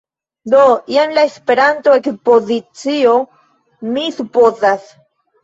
Do, jen la Esperanto-ekspozicio, mi supozas